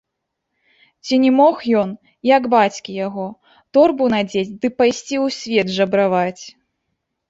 Ці не мог ён, як бацькі яго, торбу надзець ды пайсці ў свет жабраваць?